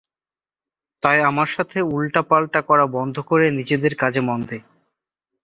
তাই আমার সাথে উল্টা-পাল্টা করা বন্ধ করে নিজেদের কাজে মন দে।